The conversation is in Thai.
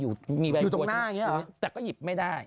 อยู่ตรงหน้าอย่างนี้หรออยู่ตรงนี้แต่ก็หยิบไม่ได้